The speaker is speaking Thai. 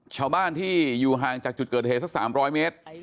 ชาวบ้านที่อยู่ห่างจากจุดเกิดเหตุสัก๓๐๐เมตร